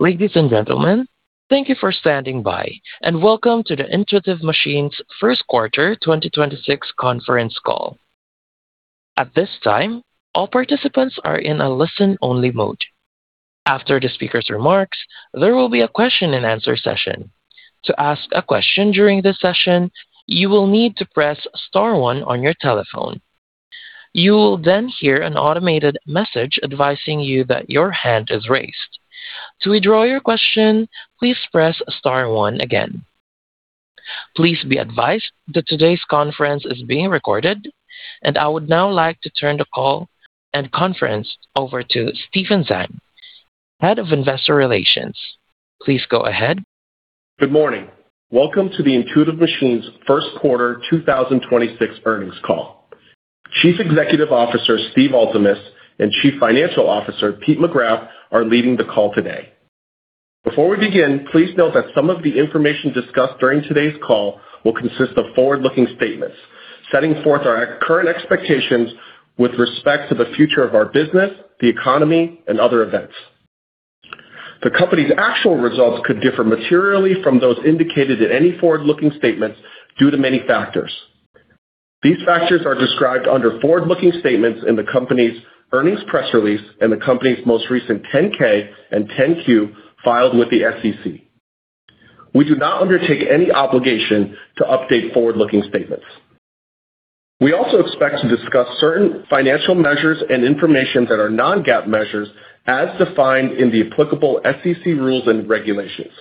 Ladies and gentlemen, thank you for standing by, and welcome to the Intuitive Machines first quarter 2026 conference call. I would now like to turn the call and conference over to Stephen Zhang, Head of Investor Relations. Please go ahead. Good morning. Welcome to the Intuitive Machines first quarter 2026 earnings call. Chief Executive Officer, Steve Altemus, and Chief Financial Officer, Pete McGrath, are leading the call today. Before we begin, please note that some of the information discussed during today's call will consist of forward-looking statements, setting forth our current expectations with respect to the future of our business, the economy, and other events. The company's actual results could differ materially from those indicated in any forward-looking statements due to many factors. These factors are described under forward-looking statements in the company's earnings press release and the company's most recent 10-K and 10-Q filed with the SEC. We do not undertake any obligation to update forward-looking statements. We also expect to discuss certain financial measures and information that are non-GAAP measures as defined in the applicable SEC rules and regulations.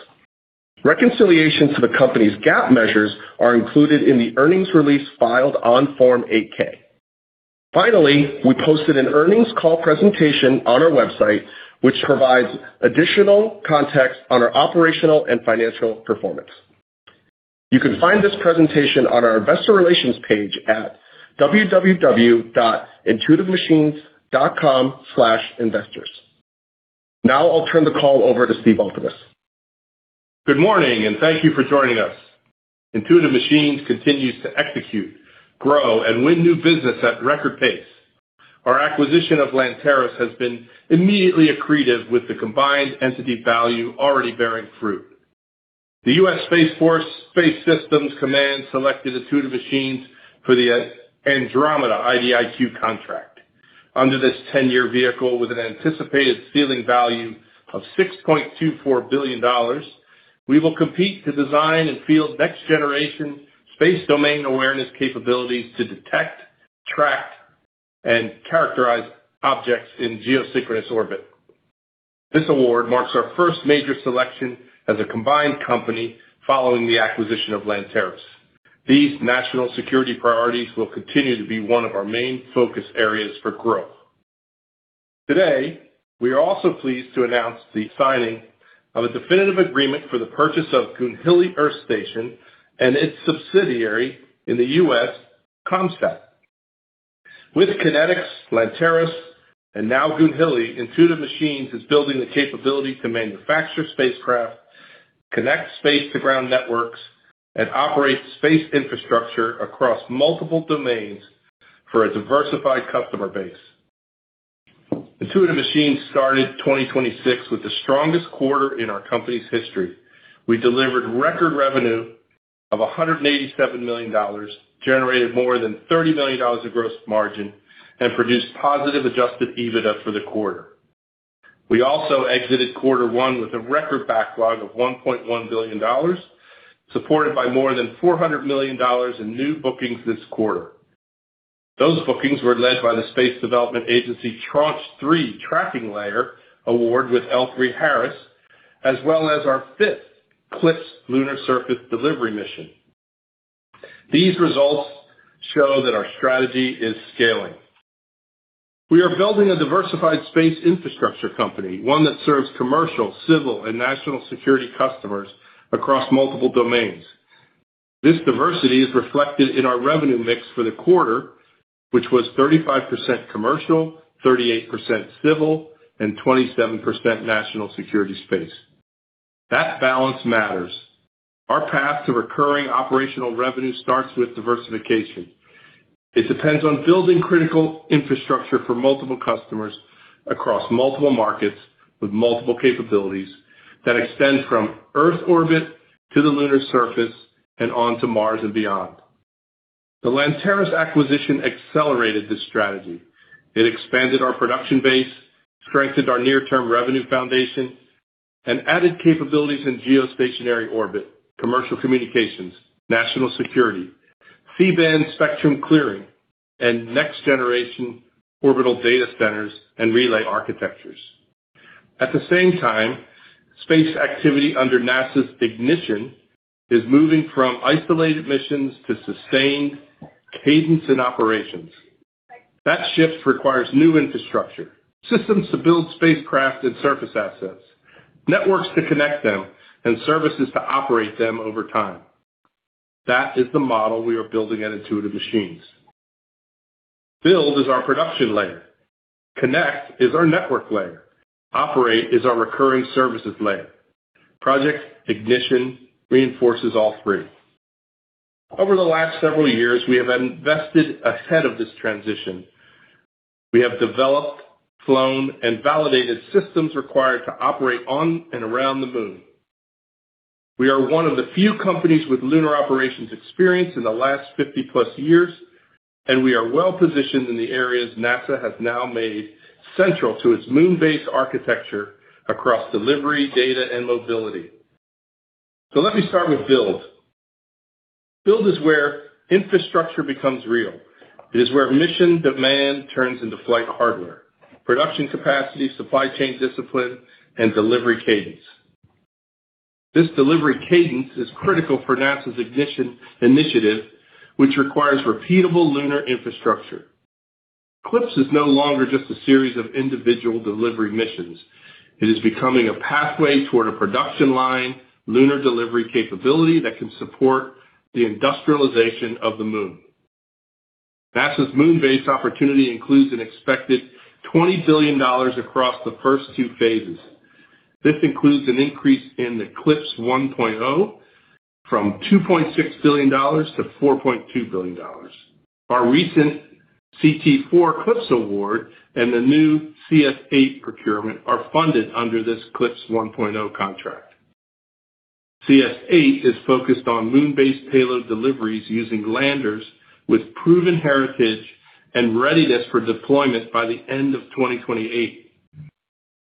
Reconciliations to the company's GAAP measures are included in the earnings release filed on Form 8-K. We posted an earnings call presentation on our website, which provides additional context on our operational and financial performance. You can find this presentation on our investor relations page at www.intuitivemachines.com/investors. I'll turn the call over to Steve Altemus. Good morning, and thank you for joining us. Intuitive Machines continues to execute, grow, and win new business at record pace. Our acquisition of Lanteris has been immediately accretive with the combined entity value already bearing fruit. The U.S. Space Force Space Systems Command selected Intuitive Machines for the Andromeda IDIQ contract. Under this 10-year vehicle with an anticipated ceiling value of $6.24 billion, we will compete to design and field next generation space domain awareness capabilities to detect, track, and characterize objects in geosynchronous orbit. This award marks our first major selection as a combined company following the acquisition of Lanteris. These national security priorities will continue to be one of our main focus areas for growth. Today, we are also pleased to announce the signing of a definitive agreement for the purchase of Goonhilly Earth Station and its subsidiary in the U.S., COMSAT. With KinetX, Lanteris, and now Goonhilly, Intuitive Machines is building the capability to manufacture spacecraft, connect space to ground networks, and operate space infrastructure across multiple domains for a diversified customer base. Intuitive Machines started 2026 with the strongest quarter in our company's history. We delivered record revenue of $187 million, generated more than $30 million of gross margin, and produced positive Adjusted EBITDA for the quarter. We also exited quarter one with a record backlog of $1.1 billion, supported by more than $400 million in new bookings this quarter. Those bookings were led by the Space Development Agency Tranche 3 tracking layer award with L3Harris, as well as our fifth CLPS lunar surface delivery mission. These results show that our strategy is scaling. We are building a diversified space infrastructure company, one that serves commercial, civil, and national security customers across multiple domains. This diversity is reflected in our revenue mix for the quarter, which was 35% commercial, 38% civil, and 27% national security space. That balance matters. Our path to recurring operational revenue starts with diversification. It depends on building critical infrastructure for multiple customers across multiple markets with multiple capabilities that extend from Earth orbit to the lunar surface and onto Mars and beyond. The Lanteris acquisition accelerated this strategy. It expanded our production base, strengthened our near-term revenue foundation, and added capabilities in geostationary orbit, commercial communications, national security, C-band spectrum clearing, and next generation orbital data centers and relay architectures. At the same time, space activity under NASA's Ignition is moving from isolated missions to sustained cadence and operations. That shift requires new infrastructure, systems to build spacecraft and surface assets, networks to connect them, and services to operate them over time. That is the model we are building at Intuitive Machines. Build is our production layer. Connect is our network layer. Operate is our recurring services layer. Project Ignition reinforces all three. Over the last several years, we have invested ahead of this transition. We have developed, flown, and validated systems required to operate on and around the moon. We are one of the few companies with lunar operations experience in the last 50+ years, and we are well-positioned in the areas NASA has now made central to its Moon-based architecture across delivery, data, and mobility. Let me start with build. Build is where infrastructure becomes real. It is where mission demand turns into flight hardware, production capacity, supply chain discipline, and delivery cadence. This delivery cadence is critical for NASA's Ignition initiative, which requires repeatable lunar infrastructure. CLPS is no longer just a series of individual delivery missions. It is becoming a pathway toward a production line lunar delivery capability that can support the industrialization of the moon. NASA's moon-based opportunity includes an expected $20 billion across the first two phases. This includes an increase in the CLPS 1.0 from $2.6 billion-$4.2 billion. Our recent CT-4 CLPS award and the new CS-8 procurement are funded under this CLPS 1.0 contract. CS-8 is focused on moon-based payload deliveries using landers with proven heritage and readiness for deployment by the end of 2028.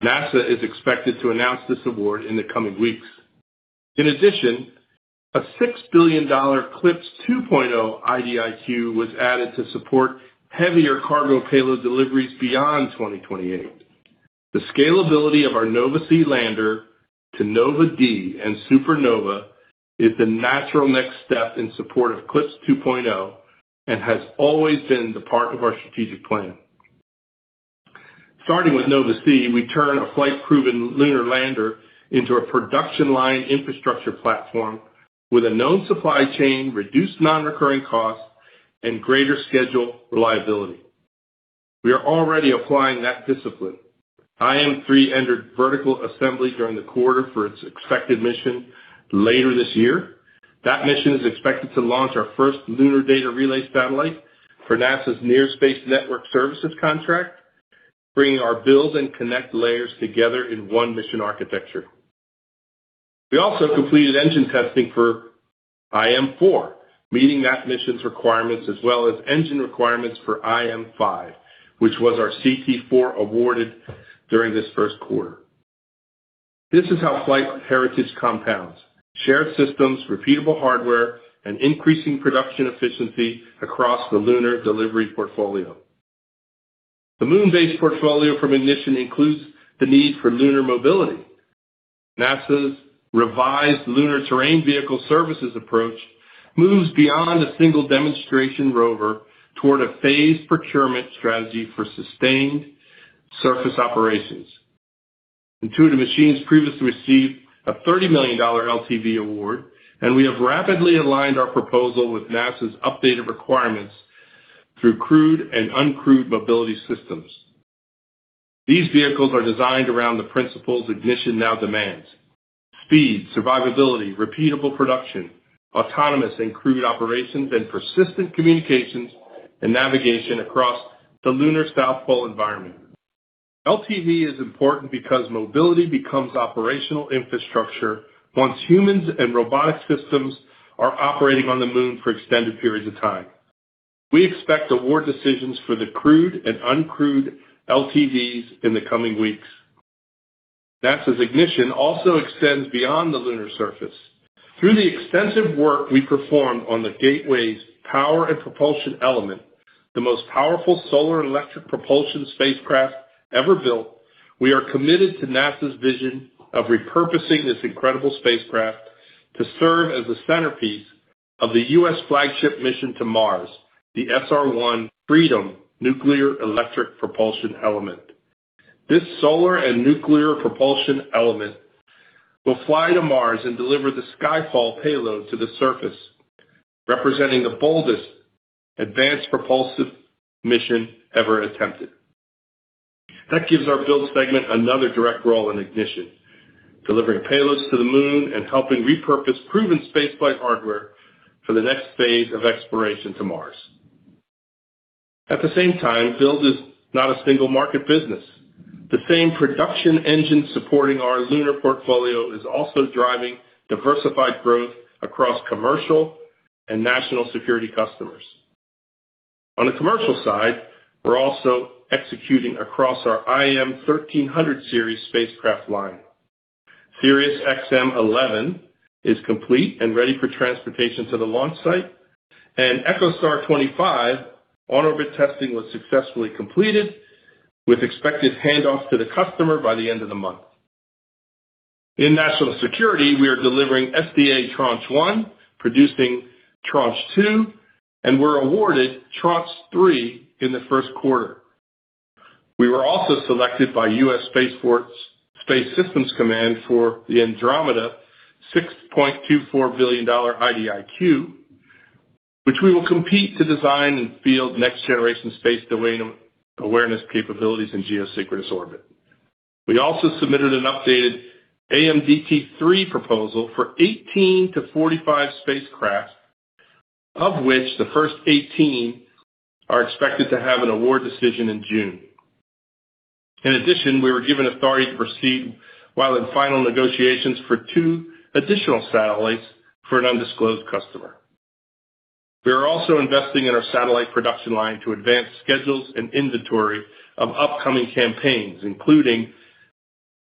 NASA is expected to announce this award in the coming weeks. In addition, a $6 billion CLPS 2.0 IDIQ was added to support heavier cargo payload deliveries beyond 2028. The scalability of our Nova-C lander to Nova-D and Super Nova is the natural next step in support of CLPS 2.0 and has always been the part of our strategic plan. Starting with Nova-C, we turn a flight-proven lunar lander into a production line infrastructure platform with a known supply chain, reduced non-recurring costs, and greater schedule reliability. We are already applying that discipline. IM-3 entered vertical assembly during the quarter for its expected mission later this year. That mission is expected to launch our first lunar data relay satellite for NASA's Near Space Network Services contract, bringing our build and connect layers together in one mission architecture. We also completed engine testing for IM-4, meeting that mission's requirements as well as engine requirements for IM-5, which was our CT-4 awarded during this first quarter. This is how flight heritage compounds: shared systems, repeatable hardware, and increasing production efficiency across the lunar delivery portfolio. The Moon-based portfolio from Ignition includes the need for lunar mobility. NASA's revised Lunar Terrain Vehicle Services approach moves beyond a single demonstration rover toward a phased procurement strategy for sustained surface operations. Intuitive Machines previously received a $30 million LTV award, and we have rapidly aligned our proposal with NASA's updated requirements through crewed and uncrewed mobility systems. These vehicles are designed around the principles Ignition now demands: speed, survivability, repeatable production, autonomous and crewed operations, and persistent communications and navigation across the Lunar South Pole environment. LTV is important because mobility becomes operational infrastructure once humans and robotic systems are operating on the Moon for extended periods of time. We expect award decisions for the crewed and uncrewed LTVs in the coming weeks. NASA's Ignition also extends beyond the lunar surface. Through the extensive work we performed on the Gateway's power and propulsion element, the most powerful solar electric propulsion spacecraft ever built, we are committed to NASA's vision of repurposing this incredible spacecraft to serve as the centerpiece of the U.S. flagship mission to Mars, the SR-1 Freedom nuclear electric propulsion element. This solar and nuclear propulsion element will fly to Mars and deliver the Skyfall payload to the surface, representing the boldest advanced propulsive mission ever attempted. That gives our Build Segment another direct role in Ignition, delivering payloads to the moon and helping repurpose proven spaceflight hardware for the next phase of exploration to Mars. At the same time, Build is not a single market business. The same production engine supporting our lunar portfolio is also driving diversified growth across commercial and national security customers. On the commercial side, we're also executing across our IM 1300 series spacecraft line. SiriusXM-11 is complete and ready for transportation to the launch site, and EchoStar 25 on-orbit testing was successfully completed with expected handoff to the customer by the end of the month. In national security, we are delivering SDA Tranche 1, producing Tranche 2, and were awarded Tranche 3 in the first quarter. We were also selected by U.S. Space Force Space Systems Command for the Andromeda $6.24 billion IDIQ, which we will compete to design and field next-generation space domain awareness capabilities in geosynchronous orbit. We also submitted an updated AMDT3 proposal for 18-45 spacecraft, of which the first 18 are expected to have an award decision in June. In addition, we were given authority to proceed while in final negotiations for two additional satellites for an undisclosed customer. We are also investing in our satellite production line to advance schedules and inventory of upcoming campaigns, including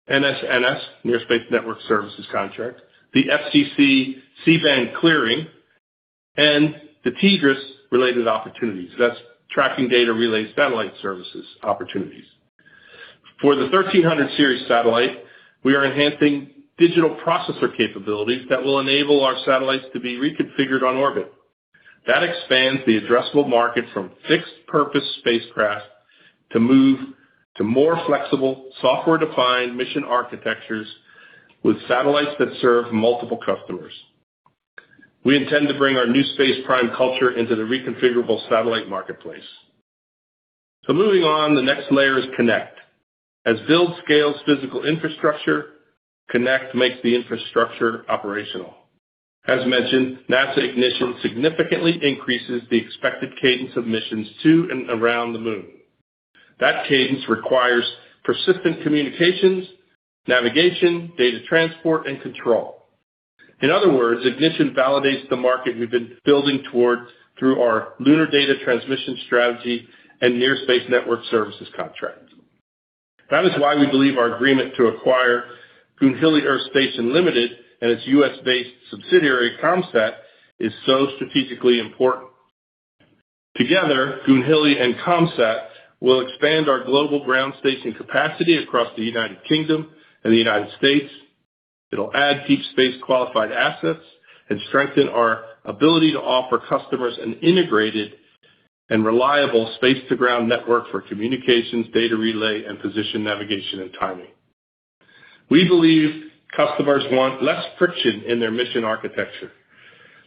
NSNS, Near Space Network Services contract, the FCC C-band clearing, and the TDRSS-related opportunities. That's Tracking Data Relay Satellite Services opportunities. For the 1300 series satellite, we are enhancing digital processor capabilities that will enable our satellites to be reconfigured on orbit. That expands the addressable market from fixed-purpose spacecraft to move to more flexible software-defined mission architectures with satellites that serve multiple customers. We intend to bring our new space prime culture into the reconfigurable satellite marketplace. Moving on, the next layer is connect. As build scales physical infrastructure, connect makes the infrastructure operational. As mentioned, NASA Ignition significantly increases the expected cadence of missions to and around the Moon. That cadence requires persistent communications, navigation, data transport, and control. In other words, Ignition validates the market we've been building toward through our lunar data transmission strategy and Near Space Network Services contract. That is why we believe our agreement to acquire Goonhilly Earth Station Ltd and its U.S.-based subsidiary, COMSAT, is so strategically important. Together, Goonhilly and COMSAT will expand our global ground station capacity across the United Kingdom and the United States. It'll add deep space-qualified assets and strengthen our ability to offer customers an integrated and reliable space-to-ground network for communications, data relay, and position navigation and timing. We believe customers want less friction in their mission architecture.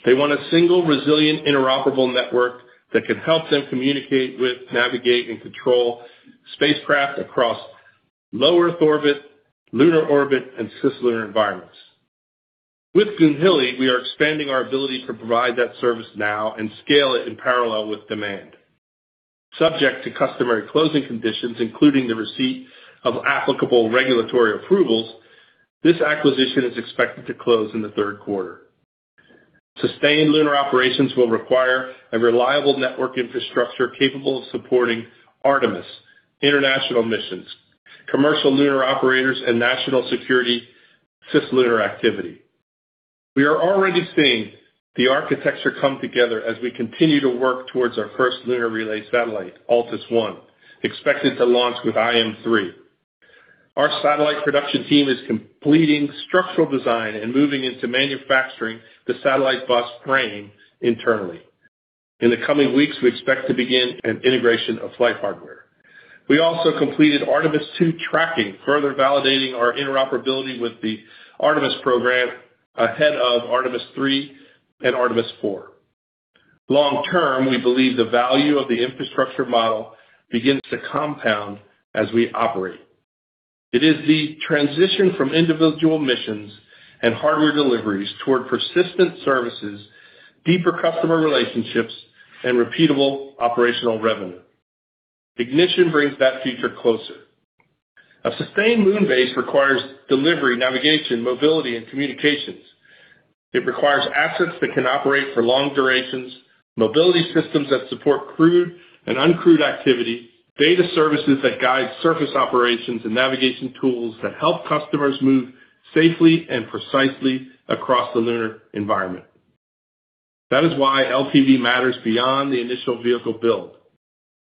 They want a single, resilient, interoperable network that can help them communicate with, navigate, and control spacecraft across low Earth orbit, lunar orbit, and cislunar environments. With Goonhilly, we are expanding our ability to provide that service now and scale it in parallel with demand. Subject to customary closing conditions, including the receipt of applicable regulatory approvals, this acquisition is expected to close in the third quarter. Sustained lunar operations will require a reliable network infrastructure capable of supporting Artemis international missions, commercial lunar operators, and national security cislunar activity. We are already seeing the architecture come together as we continue to work towards our first lunar relay satellite, Altus-1, expected to launch with IM-3. Our satellite production team is completing structural design and moving into manufacturing the satellite bus frame internally. In the coming weeks, we expect to begin an integration of flight hardware. We also completed Artemis II tracking, further validating our interoperability with the Artemis program ahead of Artemis III and Artemis IV. Long term, we believe the value of the infrastructure model begins to compound as we operate. It is the transition from individual missions and hardware deliveries toward persistent services, deeper customer relationships, and repeatable operational revenue. Ignition brings that future closer. A sustained moon base requires delivery, navigation, mobility, and communications. It requires assets that can operate for long durations, mobility systems that support crewed and uncrewed activity, data services that guide surface operations, and navigation tools that help customers move safely and precisely across the lunar environment. That is why LTV matters beyond the initial vehicle build.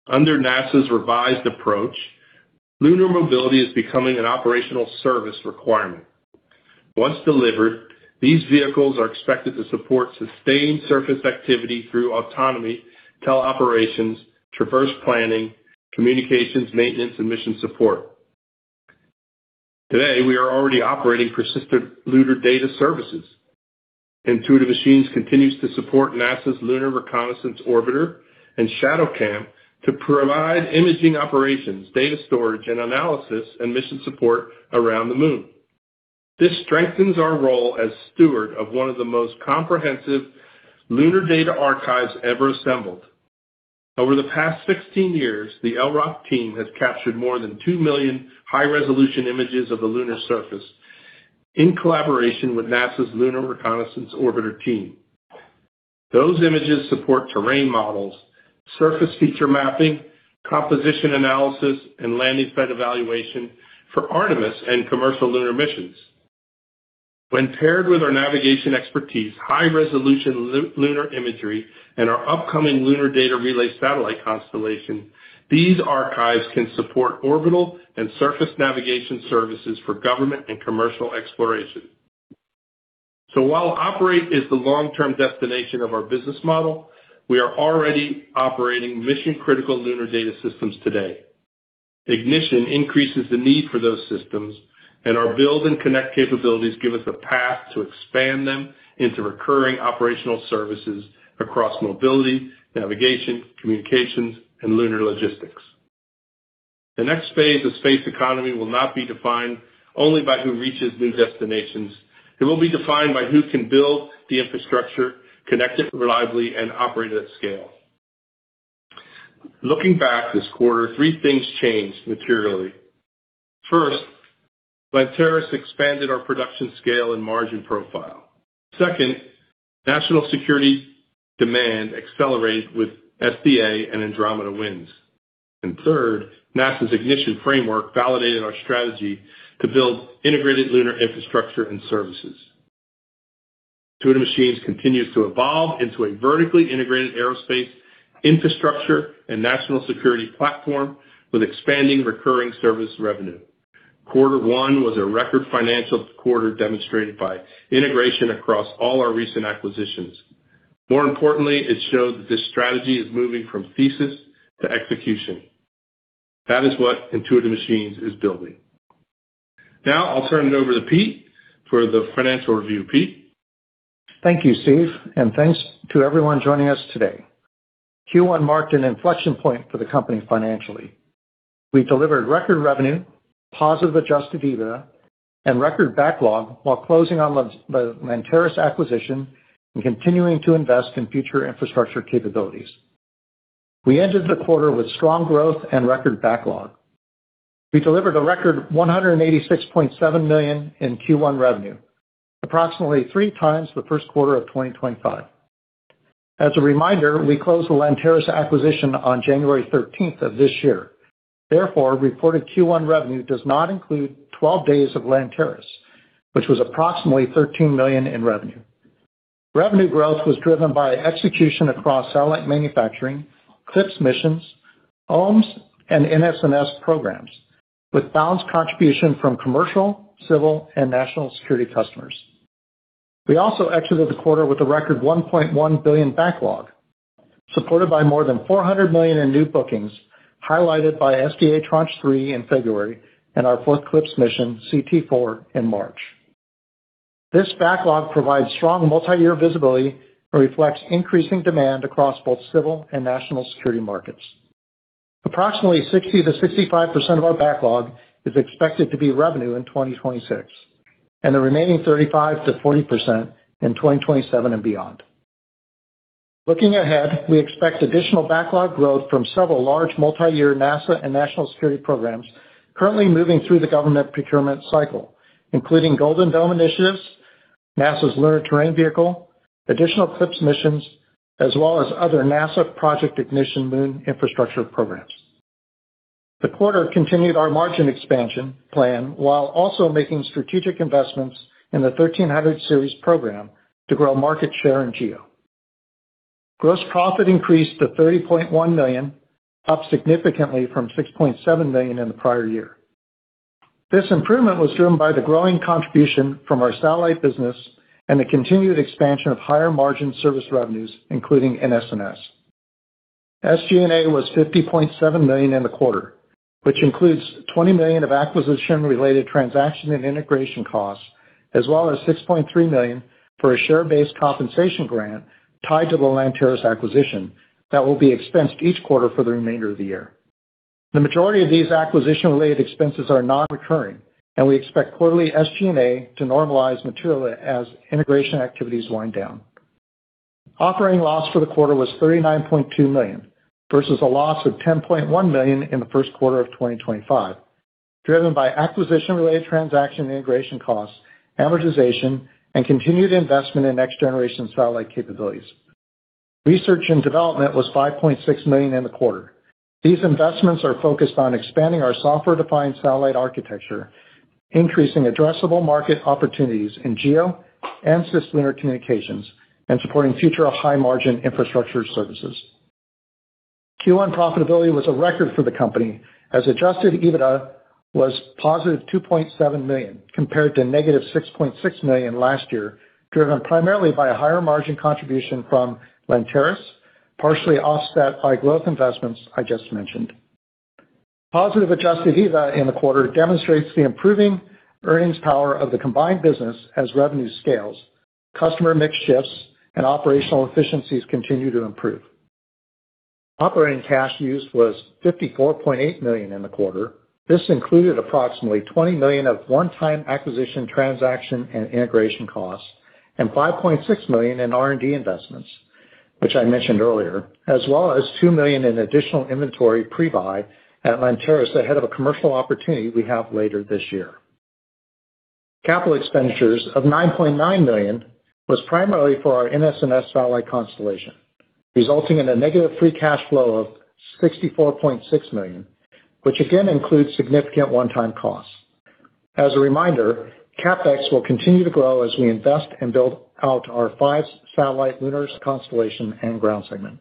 Under NASA's revised approach, lunar mobility is becoming an operational service requirement. Once delivered, these vehicles are expected to support sustained surface activity through autonomy, teleoperations, traverse planning, communications, maintenance, and mission support. Today, we are already operating persistent lunar data services. Intuitive Machines continues to support NASA's Lunar Reconnaissance Orbiter and ShadowCam to provide imaging operations, data storage and analysis, and mission support around the moon. This strengthens our role as steward of one of the most comprehensive lunar data archives ever assembled. Over the past 16 years, the LROC team has captured more than 2 million high-resolution images of the lunar surface in collaboration with NASA's Lunar Reconnaissance Orbiter team. Those images support terrain models, surface feature mapping, composition analysis, and landing site evaluation for Artemis and commercial lunar missions. When paired with our navigation expertise, high-resolution lunar imagery, and our upcoming lunar data relay satellite constellation, these archives can support orbital and surface navigation services for government and commercial exploration. While Operate is the long-term destination of our business model, we are already operating mission-critical lunar data systems today. Ignition increases the need for those systems. Our build and connect capabilities give us a path to expand them into recurring operational services across mobility, navigation, communications, and lunar logistics. The next phase of space economy will not be defined only by who reaches new destinations. It will be defined by who can build the infrastructure, connect it reliably, and operate it at scale. Looking back this quarter, three things changed materially. First, Lanteris expanded our production scale and margin profile. Second, national security demand accelerated with SDA and Andromeda wins. Third, NASA's Ignition framework validated our strategy to build integrated lunar infrastructure and services. Intuitive Machines continues to evolve into a vertically integrated aerospace infrastructure and national security platform with expanding recurring service revenue. Quarter one was a record financial quarter demonstrated by integration across all our recent acquisitions. More importantly, it showed that this strategy is moving from thesis to execution. That is what Intuitive Machines is building. Now I'll turn it over to Pete for the financial review. Pete? Thank you, Steve, and thanks to everyone joining us today. Q1 marked an inflection point for the company financially. We delivered record revenue, positive Adjusted EBITDA, and record backlog while closing on the Lanteris acquisition and continuing to invest in future infrastructure capabilities. We entered the quarter with strong growth and record backlog. We delivered a record $186.7 million in Q1 revenue, approximately 3x the first quarter of 2025. As a reminder, we closed the Lanteris acquisition on January 13th of this year. Therefore, reported Q1 revenue does not include 12 days of Lanteris, which was approximately $13 million in revenue. Revenue growth was driven by execution across satellite manufacturing, CLPS missions, OMES, and NSNS programs, with balanced contribution from commercial, civil, and national security customers. We also exited the quarter with a record $1.1 billion backlog, supported by more than $400 million in new bookings, highlighted by SDA Tranche 3 in February and our fourth CLPS mission, CT-4, in March. This backlog provides strong multi-year visibility and reflects increasing demand across both civil and national security markets. Approximately 60%-65% of our backlog is expected to be revenue in 2026, and the remaining 35%-40% in 2027 and beyond. Looking ahead, we expect additional backlog growth from several large multi-year NASA and national security programs currently moving through the government procurement cycle, including Golden Dome initiatives, NASA's Lunar Terrain Vehicle, additional CLPS missions, as well as other NASA Project Ignition Moon infrastructure programs. The quarter continued our margin expansion plan while also making strategic investments in the IM 1300 series program to grow market share in GEO. Gross profit increased to $30.1 million, up significantly from $6.7 million in the prior year. This improvement was driven by the growing contribution from our satellite business and the continued expansion of higher-margin service revenues, including NSNS. SG&A was $50.7 million in the quarter, which includes $20 million of acquisition-related transaction and integration costs, as well as $6.3 million for a share-based compensation grant tied to the Lanteris acquisition that will be expensed each quarter for the remainder of the year. The majority of these acquisition-related expenses are non-recurring. We expect quarterly SG&A to normalize materially as integration activities wind down. Operating loss for the quarter was $39.2 million versus a loss of $10.1 million in the first quarter of 2025, driven by acquisition-related transaction integration costs, amortization, and continued investment in next-generation satellite capabilities. Research and development was $5.6 million in the quarter. These investments are focused on expanding our software-defined satellite architecture, increasing addressable market opportunities in GEO and cislunar communications, and supporting future high-margin infrastructure services. Q1 profitability was a record for the company, as Adjusted EBITDA was positive $2.7 million compared to negative $6.6 million last year, driven primarily by a higher-margin contribution from Lanteris, partially offset by growth investments I just mentioned. Positive Adjusted EBITDA in the quarter demonstrates the improving earnings power of the combined business as revenue scales, customer mix shifts, and operational efficiencies continue to improve. Operating cash use was $54.8 million in the quarter. This included approximately $20 million of one-time acquisition transaction and integration costs and $5.6 million in R&D investments, which I mentioned earlier, as well as $2 million in additional inventory pre-buy at Lanteris ahead of a commercial opportunity we have later this year. Capital expenditures of $9.9 million was primarily for our NSNS satellite constellation, resulting in a negative free cash flow of $64.6 million, which again includes significant one-time costs. As a reminder, CapEx will continue to grow as we invest and build out our five satellite lunars constellation and ground segment.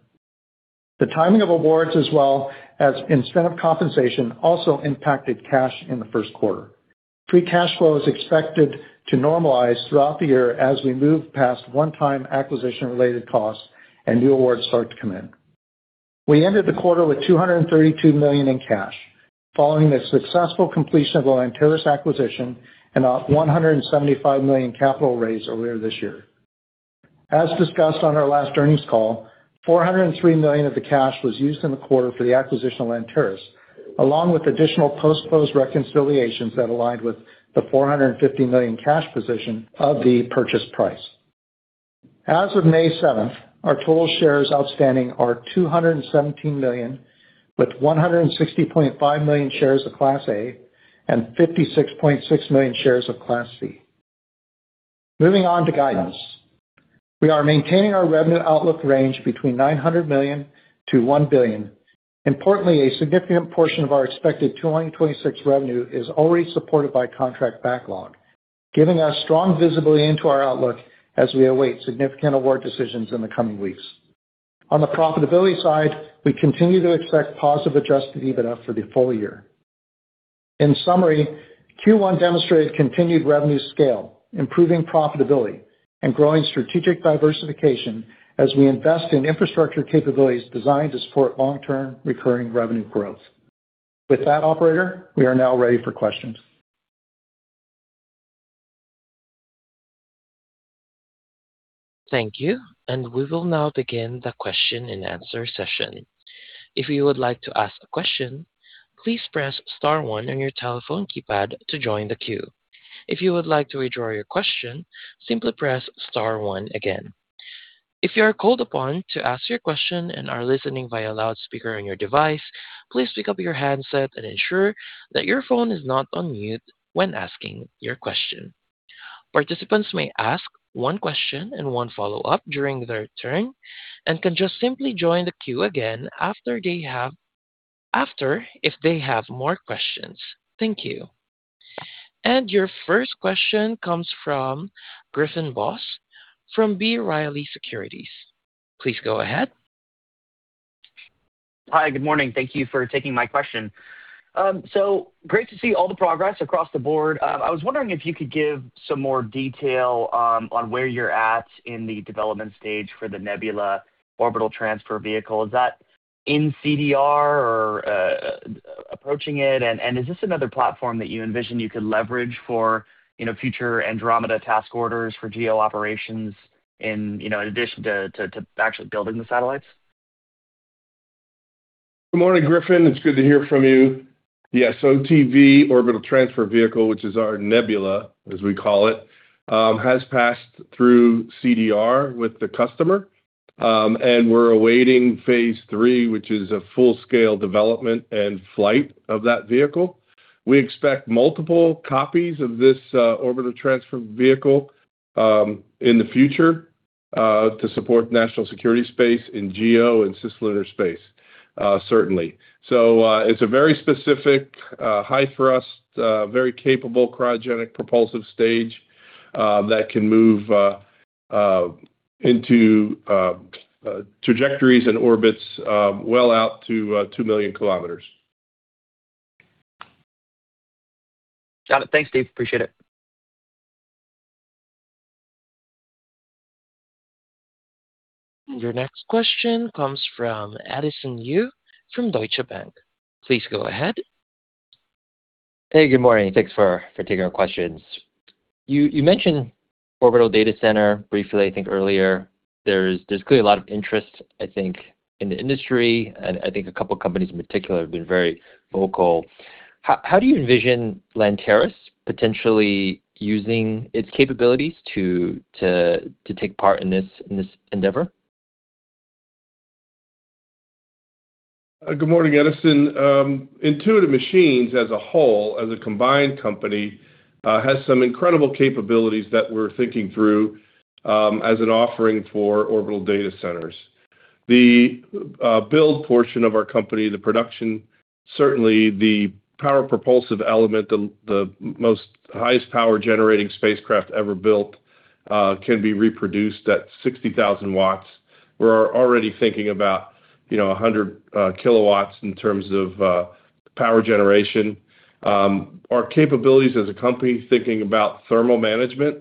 The timing of awards as well as incentive compensation also impacted cash in the first quarter. Free cash flow is expected to normalize throughout the year as we move past one-time acquisition-related costs and new awards start to come in. We ended the quarter with $232 million in cash following the successful completion of the Lanteris acquisition and our $175 million capital raise earlier this year. As discussed on our last earnings call, $403 million of the cash was used in the quarter for the acquisition of Lanteris, along with additional post-close reconciliations that aligned with the $450 million cash position of the purchase price. As of May seventh, our total shares outstanding are 217 million, with 160.5 million shares of Class A and 56.6 million shares of Class C. Moving on to guidance. We are maintaining our revenue outlook range between $900 million-$1 billion. Importantly, a significant portion of our expected $226 revenue is already supported by contract backlog, giving us strong visibility into our outlook as we await significant award decisions in the coming weeks. On the profitability side, we continue to expect positive Adjusted EBITDA for the full year. In summary, Q1 demonstrated continued revenue scale, improving profitability and growing strategic diversification as we invest in infrastructure capabilities designed to support long-term recurring revenue growth. With that, operator, we are now ready for questions. Thank you. We will now begin the question-and-answer session. If you would like to ask a question, please press star one on your telephone keypad to join the queue. If you would like to withdraw your question, simply press star one again. If you are called upon to ask your question and are listening via loudspeaker on your device, please pick up your handset and ensure that your phone is not on mute when asking your question. Participants may ask one question and one follow-up during their turn and can just simply join the queue again after they have more questions. Thank you. Your first question comes from Griffin Boss from B. Riley Securities. Please go ahead. Hi. Good morning. Thank you for taking my question. So great to see all the progress across the board. I was wondering if you could give some more detail on where you're at in the development stage for the Nebula orbital transfer vehicle? Is that in CDR or approaching it? Is this another platform that you envision you could leverage for, you know, future Andromeda task orders for GEO operations in, you know, in addition to actually building the satellites? Good morning, Griffin. It's good to hear from you. Yes. OTV, orbital transfer vehicle, which is our Nebula, as we call it, has passed through CDR with the customer. We're awaiting phase III, which is a full-scale development and flight of that vehicle. We expect multiple copies of this orbital transfer vehicle in the future to support national security space in GEO and cislunar space, certainly. It's a very specific, high thrust, very capable cryogenic propulsive stage that can move into trajectories and orbits well out to 2,000,000 km. Got it. Thanks, Steve. Appreciate it. Your next question comes from Edison Yu from Deutsche Bank. Please go ahead. Hey, good morning. Thanks for taking our questions. You mentioned orbital data center briefly, I think, earlier. There's clearly a lot of interest, I think, in the industry, and I think a couple companies in particular have been very vocal. How do you envision Lanteris potentially using its capabilities to take part in this endeavor? Good morning, Edison. Intuitive Machines as a whole, as a combined company, has some incredible capabilities that we're thinking through as an offering for orbital data centers. The build portion of our company, the production, certainly the power propulsive element, the most highest power-generating spacecraft ever built, can be reproduced at 60,000 W. We're already thinking about, you know, 100 kW in terms of power generation. Our capabilities as a company, thinking about thermal management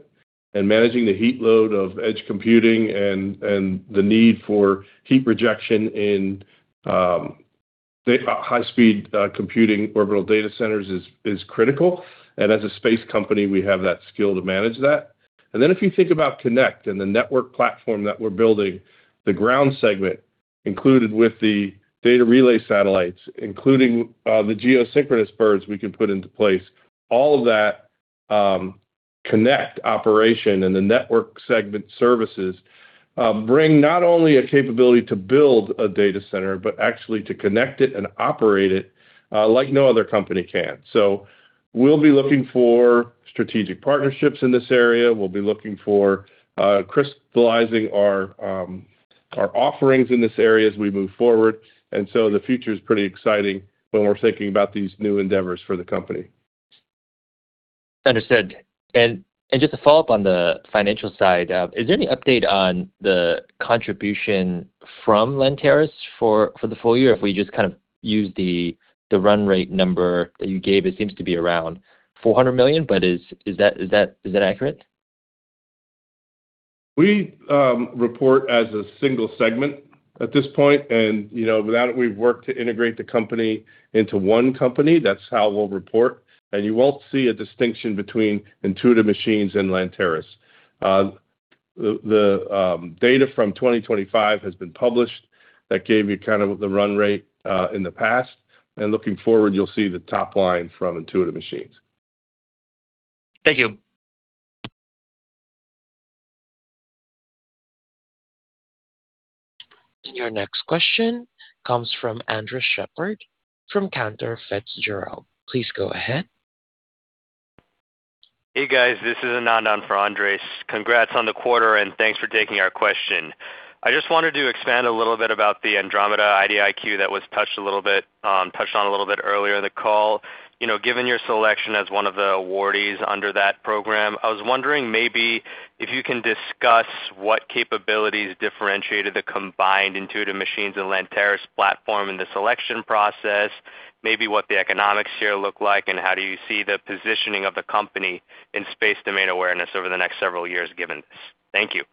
and managing the heat load of edge computing and the need for heat rejection in high speed computing orbital data centers is critical. As a space company, we have that skill to manage that. If you think about connect and the network platform that we're building, the ground segment included with the data relay satellites, including the geosynchronous birds we can put into place. All of that, connect operation and the network segment services, bring not only a capability to build a data center, but actually to connect it and operate it like no other company can. We'll be looking for strategic partnerships in this area. We'll be looking for crystallizing our offerings in this area as we move forward. The future is pretty exciting when we're thinking about these new endeavors for the company. Understood. Just to follow up on the financial side, is there any update on the contribution from Lanteris for the full year? If we just kind of use the run rate number that you gave, it seems to be around $400 million, but is that accurate? We report as a single segment at this point. You know, with that, we've worked to integrate the company into one company. That's how we'll report. You won't see a distinction between Intuitive Machines and Lanteris. The data from 2025 has been published that gave you kind of the run rate in the past. Looking forward, you'll see the top line from Intuitive Machines. Thank you. Your next question comes from Andres Sheppard from Cantor Fitzgerald. Please go ahead. Hey, guys. This is Andres. Congrats on the quarter, and thanks for taking our question. I just wanted to expand a little bit about the Andromeda IDIQ that was touched on a little bit earlier in the call. You know, given your selection as one of the awardees under that program, I was wondering maybe if you can discuss what capabilities differentiated the combined Intuitive Machines and Lanteris' platform in the selection process, maybe what the economics here look like, and how do you see the positioning of the company in space domain awareness over the next several years given this? Thank you.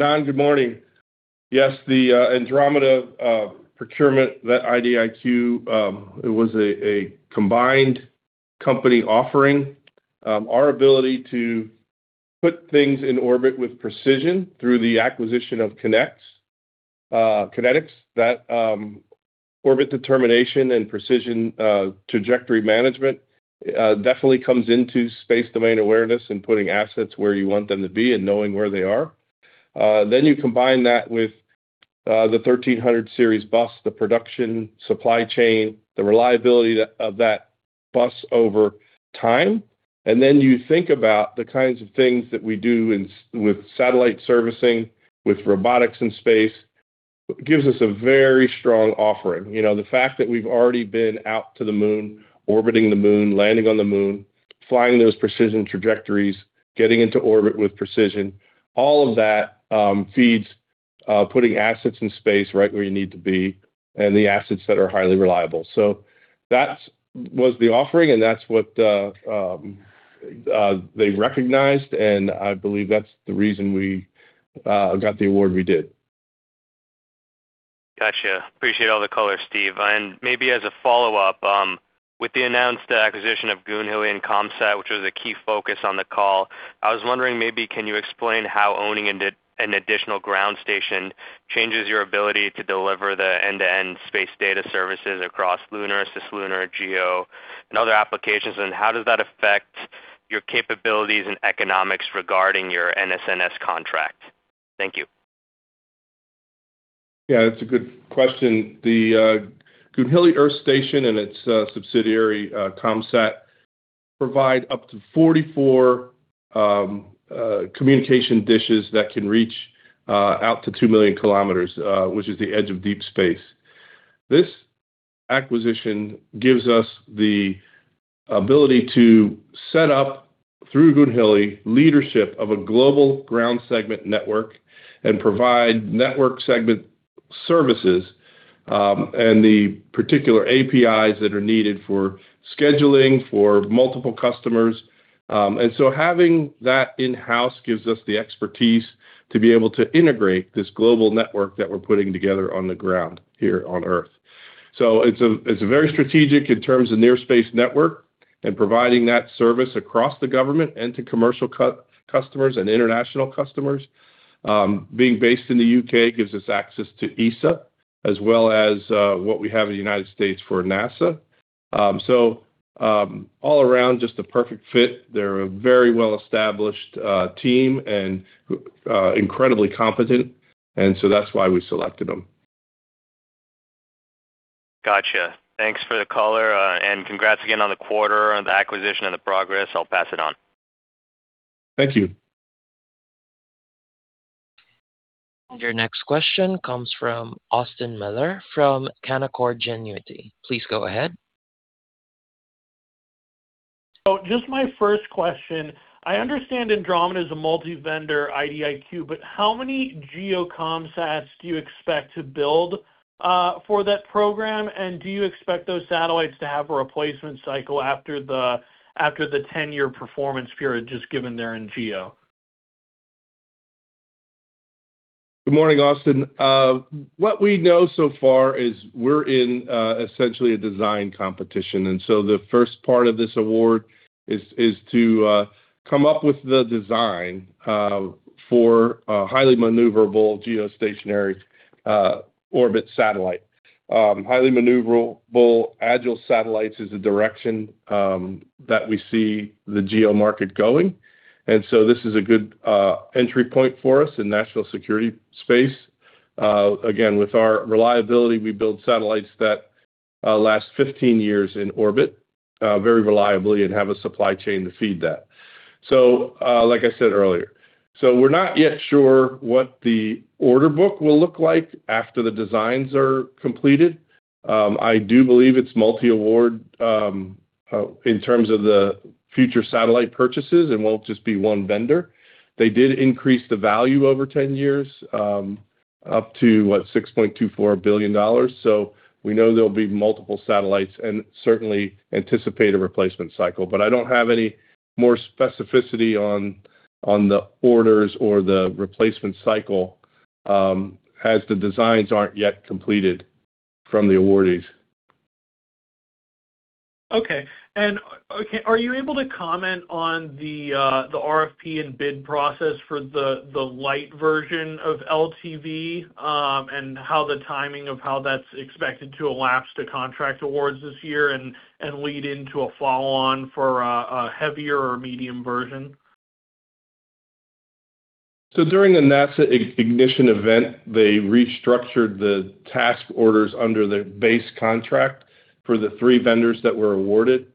Andres, good morning. Yes, the Andromeda procurement, that IDIQ, it was a combined company offering. Our ability to put things in orbit with precision through the acquisition of KinetX. That orbit determination and precision trajectory management definitely comes into space domain awareness and putting assets where you want them to be and knowing where they are. You combine that with the IM 1300 series bus, the production supply chain, the reliability of that bus over time. You think about the kinds of things that we do with satellite servicing, with robotics in space, gives us a very strong offering. You know, the fact that we've already been out to the Moon, orbiting the Moon, landing on the Moon, flying those precision trajectories, getting into orbit with precision, all of that, feeds putting assets in space right where you need to be and the assets that are highly reliable. That was the offering, and that's what, they recognized, and I believe that's the reason we got the award we did. Gotcha. Appreciate all the color, Steve. Maybe as a follow-up, with the announced acquisition of Goonhilly and COMSAT, which was a key focus on the call, I was wondering maybe can you explain how owning an additional ground station changes your ability to deliver the end-to-end space data services across lunar, cislunar, GEO, and other applications? How does that affect your capabilities and economics regarding your NSNS contract? Thank you. Yeah, that's a good question. The Goonhilly Earth Station and its subsidiary, COMSAT, provide up to 44 communication dishes that can reach out to 2,000,000 km, which is the edge of deep space. This acquisition gives us the ability to set up, through Goonhilly, leadership of a global ground segment network and provide network segment services, and the particular APIs that are needed for scheduling for multiple customers. Having that in-house gives us the expertise to be able to integrate this global network that we're putting together on the ground here on Earth. It's a very strategic in terms of near space network and providing that service across the government and to commercial customers and international customers. Being based in the U.K. gives us access to ESA as well as, what we have in the United States for NASA. All around, just a perfect fit. They're a very well-established team and incredibly competent, that's why we selected them. Gotcha. Thanks for the color, and congrats again on the quarter, on the acquisition, and the progress. I'll pass it on. Thank you. Your next question comes from Austin Moeller from Canaccord Genuity. Please go ahead. Just my first question. I understand Andromeda is a multi-vendor IDIQ, how many GEO Commsats do you expect to build for that program? Do you expect those satellites to have a replacement cycle after the 10-year performance period, just given they're in GEO? Good morning, Austin. What we know so far is we're in essentially a design competition. The first part of this award is to come up with the design for a highly maneuverable geostationary orbit satellite. Highly maneuverable agile satellites is the direction that we see the GEO market going. This is a good entry point for us in national security space. Again, with our reliability, we build satellites that last 15 years in orbit very reliably and have a supply chain to feed that. Like I said earlier, we're not yet sure what the order book will look like after the designs are completed. I do believe it's multi-award in terms of the future satellite purchases. It won't just be one vendor. They did increase the value over 10 years, up to $6.24 billion. We know there'll be multiple satellites and certainly anticipate a replacement cycle. I don't have any more specificity on the orders or the replacement cycle, as the designs aren't yet completed from the awardees. Okay. Okay, are you able to comment on the RFP and bid process for the light version of LTV, and how the timing of how that's expected to elapse to contract awards this year and lead into a follow-on for a heavier or medium version? During the NASA Ignition event, they restructured the task orders under the base contract for the three vendors that were awarded.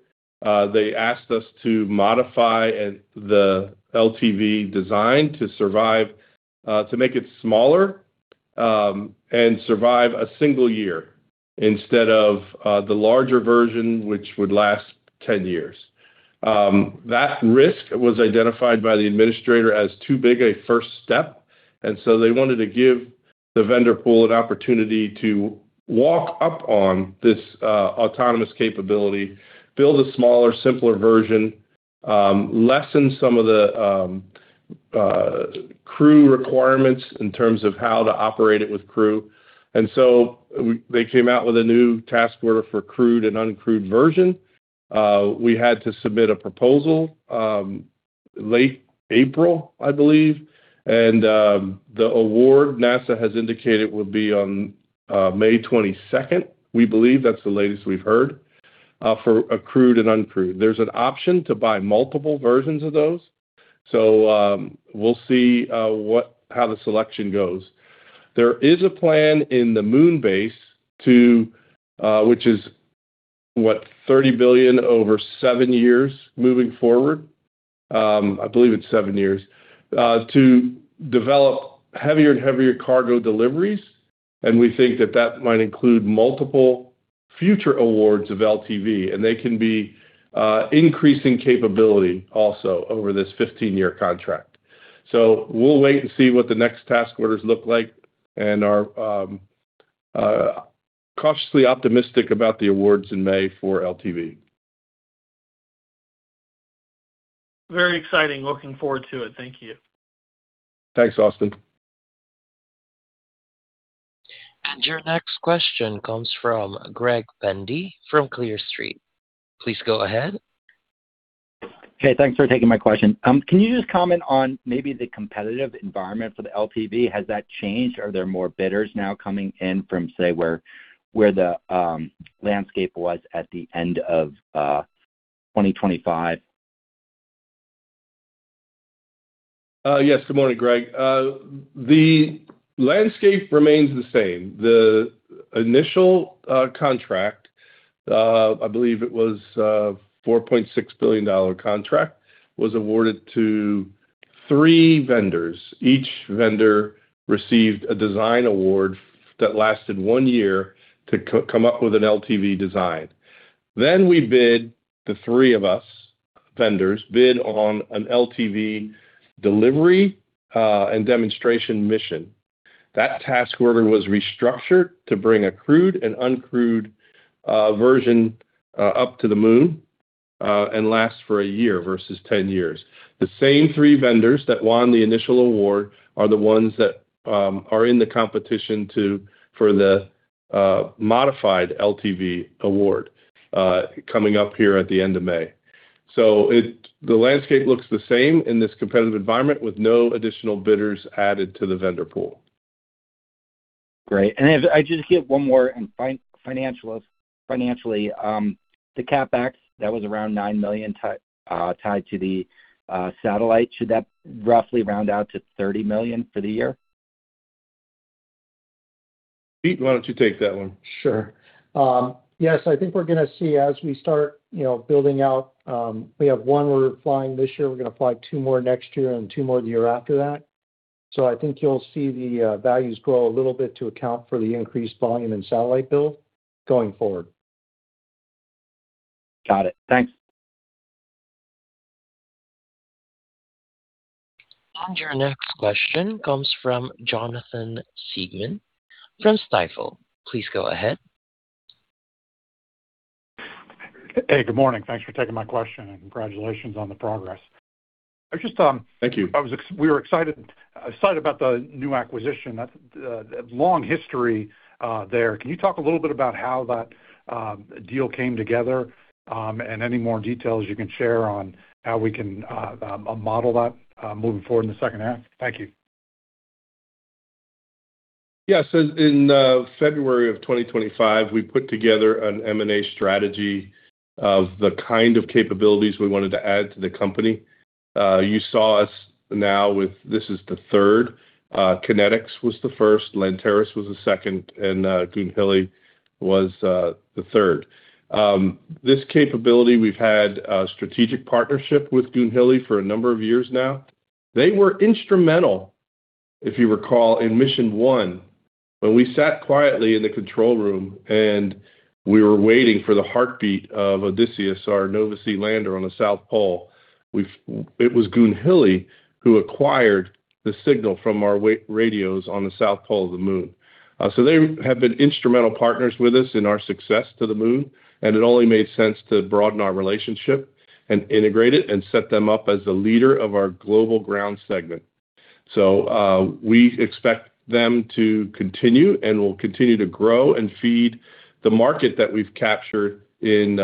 They asked us to modify the LTV design to survive, to make it smaller, and survive a single year instead of the larger version, which would last 10 years. That risk was identified by the administrator as too big a first step, they wanted to give the vendor pool an opportunity to walk up on this autonomous capability, build a smaller, simpler version, lessen some of the crew requirements in terms of how to operate it with crew. They came out with a new task order for crewed and uncrewed version. We had to submit a proposal late April, I believe. The award NASA has indicated would be on May 22nd, we believe. That's the latest we've heard for a crewed and uncrewed. There's an option to buy multiple versions of those. We'll see how the selection goes. There is a plan in the Moon Base to, which is, what, $30 billion over seven years moving forward, I believe it's seven years, to develop heavier and heavier cargo deliveries. We think that that might include multiple future awards of LTV, and they can be increasing capability also over this 15-year contract. We'll wait and see what the next task orders look like and are cautiously optimistic about the awards in May for LTV. Very exciting. Looking forward to it. Thank you. Thanks, Austin. Your next question comes from Greg Pendy from Clear Street. Please go ahead. Okay, thanks for taking my question. Can you just comment on maybe the competitive environment for the LTV? Has that changed? Are there more bidders now coming in from, say, where the landscape was at the end of 2025? Yes. Good morning, Greg. The landscape remains the same. The initial contract, I believe it was a $4.6 billion contract, was awarded to three vendors. Each vendor received a design award that lasted one year to come up with an LTV design. We bid, the three of us vendors, bid on an LTV delivery and demonstration mission. That task order was restructured to bring a crewed and uncrewed version up to the Moon and last for a year versus 10 years. The same three vendors that won the initial award are the ones that are in the competition for the modified LTV award coming up here at the end of May. The landscape looks the same in this competitive environment with no additional bidders added to the vendor pool. Great. If I just get one more financially. The CapEx, that was around $9 million tied to the satellite. Should that roughly round out to $30 million for the year? Pete, why don't you take that one? Sure. I think we're gonna see as we start building out, we have one we're flying this year. We're gonna fly two more next year and two more the year after that. I think you'll see the values grow a little bit to account for the increased volume in satellite build going forward. Got it. Thanks. Your next question comes from Jonathan Siegmann from Stifel. Please go ahead. Hey, good morning. Thanks for taking my question, and congratulations on the progress. Thank you. We were excited about the new acquisition. That's long history there. Can you talk a little bit about how that deal came together, and any more details you can share on how we can model that moving forward in the second half? Thank you. Yes. In February 2025, we put together an M&A strategy of the kind of capabilities we wanted to add to the company. You saw us now with, this is the third. KinetX was the first, Lanteris was the second, and Goonhilly was the third. This capability, we've had a strategic partnership with Goonhilly for a number of years now. They were instrumental, if you recall, in Mission 1. When we sat quietly in the control room and we were waiting for the heartbeat of Odysseus, our Nova-C lander on the South Pole, it was Goonhilly who acquired the signal from our radios on the South Pole of the Moon. They have been instrumental partners with us in our success to the Moon, and it only made sense to broaden our relationship and integrate it and set them up as the leader of our global ground segment. We expect them to continue, and we'll continue to grow and feed the market that we've captured in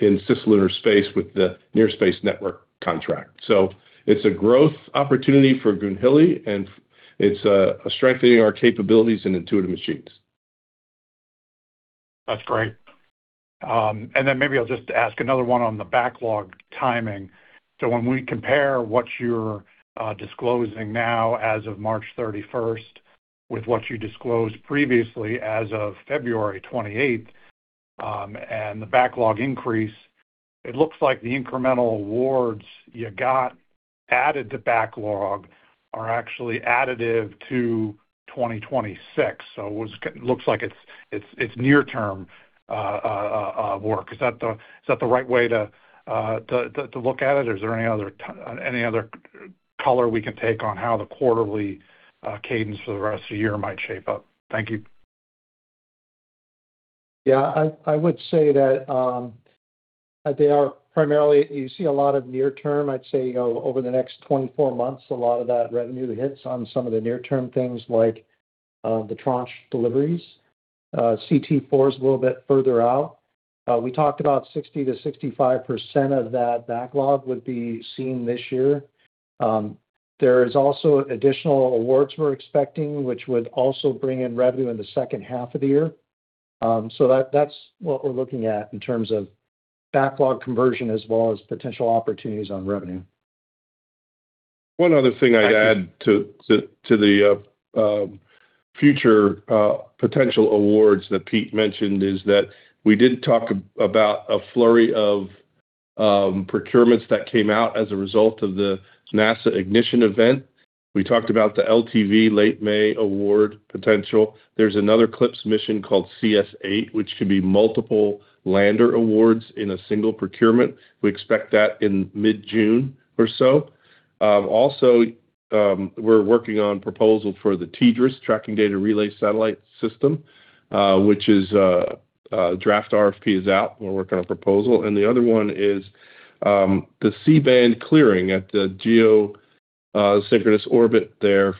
cislunar space with the Near Space Network contract. It's a growth opportunity for Goonhilly, and it's strengthening our capabilities in Intuitive Machines. That's great. Maybe I'll just ask another one on the backlog timing. When we compare what you're disclosing now as of March 31st with what you disclosed previously as of February 28th, and the backlog increase, it looks like the incremental awards you got added to backlog are actually additive to 2026. It looks like it's near term work. Is that the right way to look at it? Or is there any other color we can take on how the quarterly cadence for the rest of the year might shape up? Thank you. Yeah. I would say that, they are primarily you see a lot of near term. I'd say, you know, over the next 24 months, a lot of that revenue hits on some of the near term things like the tranche deliveries. CT-4 is a little bit further out. We talked about 60%-65% of that backlog would be seen this year. There is also additional awards we're expecting, which would also bring in revenue in the second half of the year. That's what we're looking at in terms of backlog conversion as well as potential opportunities on revenue. One other thing I'd add to the, to the future potential awards that Pete mentioned is that we did talk about a flurry of procurements that came out as a result of the NASA Ignition event. We talked about the LTV late May award potential. There's another CLPS mission called CS-8, which could be multiple lander awards in a single procurement. We expect that in mid-June or so. Also, we're working on proposal for the TDRSS Tracking and Data Relay Satellite System, which is draft RFP is out. We're working on a proposal. The other one is the C-band clearing at the geosynchronous orbit there.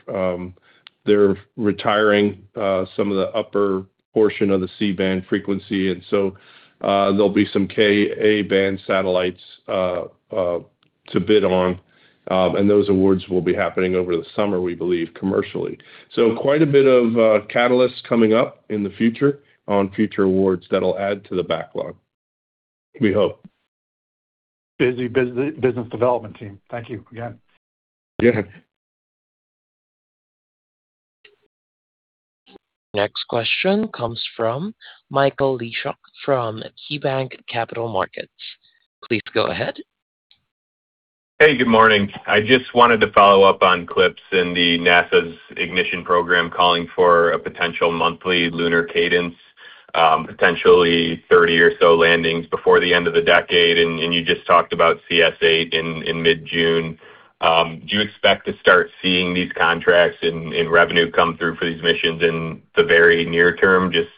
They're retiring some of the upper portion of the C-band frequency. There'll be some Ka-band satellites to bid on. Those awards will be happening over the summer, we believe, commercially. Quite a bit of catalysts coming up in the future on future awards that'll add to the backlog, we hope. Busy business development team. Thank you again. Yeah. Next question comes from Michael Leshock from KeyBanc Capital Markets. Please go ahead. Hey, good morning. I just wanted to follow up on CLPS and the NASA's Ignition program calling for a potential monthly lunar cadence, potentially 30 or so landings before the end of the decade. You just talked about CS-8 in mid-June. Do you expect to start seeing these contracts and revenue come through for these missions in the very near term? Just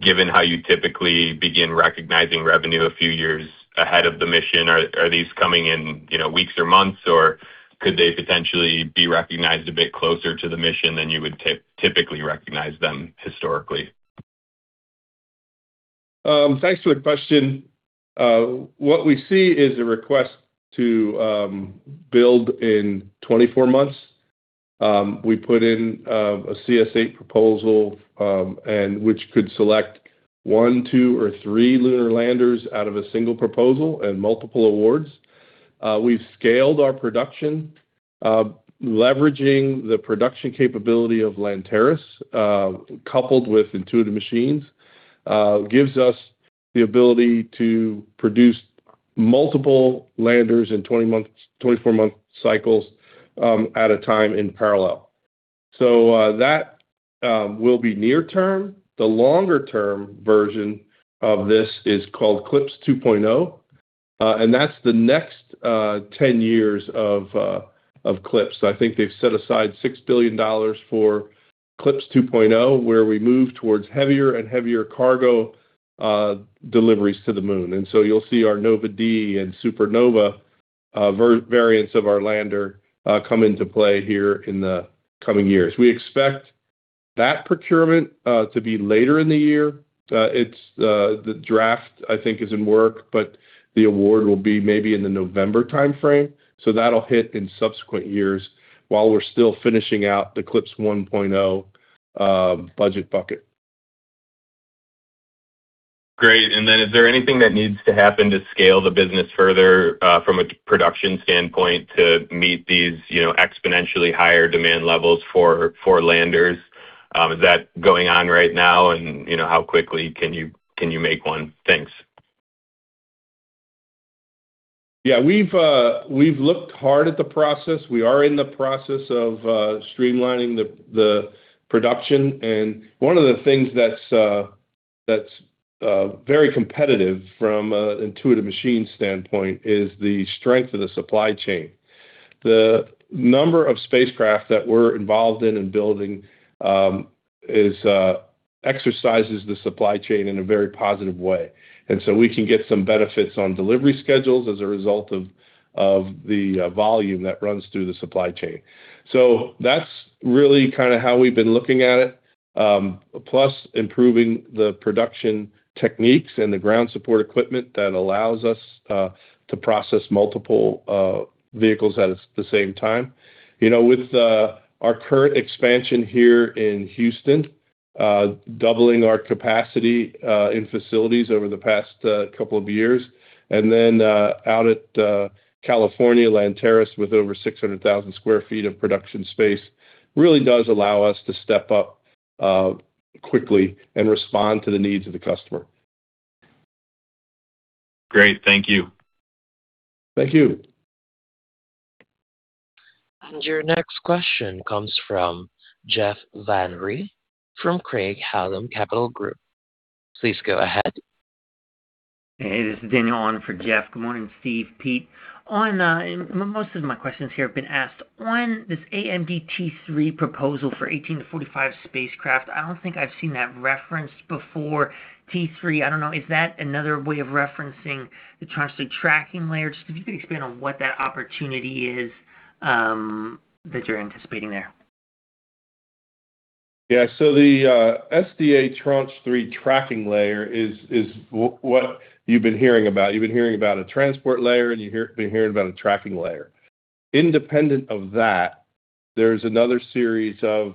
given how you typically begin recognizing revenue a few years ahead of the mission, are these coming in, you know, weeks or months, or could they potentially be recognized a bit closer to the mission than you would typically recognize them historically? Thanks for the question. What we see is a request to build in 24 months. We put in a CS-8 proposal, which could select one, two, or three lunar landers out of a single proposal and multiple awards. We've scaled our production, leveraging the production capability of Lanteris, coupled with Intuitive Machines, gives us the ability to produce multiple landers in 24-month cycles at a time in parallel. That will be near term. The longer term version of this is called CLPS 2.0, that's the next 10 years of CLPS. I think they've set aside $6 billion for CLPS 2.0, where we move towards heavier and heavier cargo deliveries to the moon. You'll see our Nova-D and Super Nova variants of our lander come into play here in the coming years. We expect that procurement to be later in the year. It's the draft I think is in work, but the award will be maybe in the November timeframe. That'll hit in subsequent years while we're still finishing out the CLPS 1.0 budget bucket. Great. Is there anything that needs to happen to scale the business further from a production standpoint to meet these, you know, exponentially higher demand levels for landers? Is that going on right now? You know, how quickly can you make one? Thanks. Yeah, we've looked hard at the process. We are in the process of streamlining the production. One of the things that's very competitive from an Intuitive Machines standpoint is the strength of the supply chain. The number of spacecraft that we're involved in building is exercises the supply chain in a very positive way. We can get some benefits on delivery schedules as a result of the volume that runs through the supply chain. That's really kind of how we've been looking at it. Plus improving the production techniques and the ground support equipment that allows us to process multiple vehicles at the same time. You know, with our current expansion here in Houston, doubling our capacity in facilities over the past two years, and then, out at Lanteris with over 600,000 sq ft of production space, really does allow us to step up quickly and respond to the needs of the customer. Great. Thank you. Thank you. Your next question comes from Jeff Van Rhee from Craig-Hallum Capital Group. Please go ahead. Hey, this is Daniel on for Jeff. Good morning, Steve, Pete. Most of my questions here have been asked. This AMDT3 proposal for 18-45 spacecraft, I don't think I've seen that referenced before. T3, I don't know, is that another way of referencing the Tranche Three Tracking Layer? If you could expand on what that opportunity is that you're anticipating there. The SDA Tranche 3 tracking layer is what you've been hearing about. You've been hearing about a transport layer, and you've been hearing about a tracking layer. Independent of that, there's another series of